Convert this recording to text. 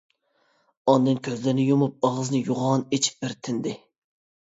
ئاندىن كۆزلىرىنى يۇمۇپ، ئاغزىنى يوغان ئېچىپ بىر تىندى.